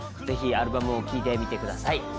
ぜひアルバムを聴いてみてください。